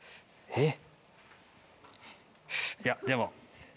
えっ！？